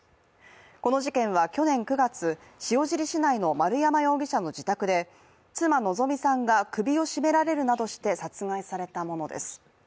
この事件は去年９月塩尻市内の丸山容疑者の自宅で妻・希美さんが首を絞められるなどして殺害されたものです。